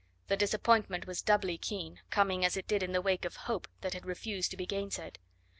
The disappointment was doubly keen, coming as it did in the wake of hope that had refused to be gainsaid.